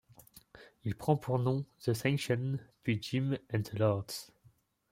Il prend pour nom The Sanctions, puis Jim and the Lords.